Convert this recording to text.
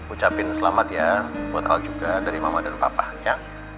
ucapin selamat ya buat al juga dari mama dan papa ya